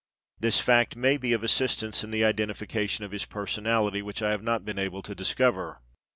This fact may be of assistance in the identification of his personalty, which I have not been able to discover.